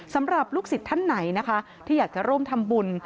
สำหรับลูกศิษย์ท่านไหนนะคะที่อยากจะร่วมทำบุญ